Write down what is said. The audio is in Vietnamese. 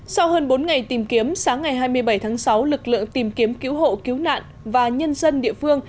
sau hơn bốn ngày tìm kiếm sáng ngày hai mươi bảy tháng sáu lực lượng tìm kiếm cứu hộ cứu nạn và nhân dân địa phương